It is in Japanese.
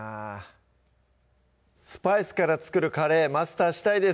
スパイスから作るカレーマスターしたいです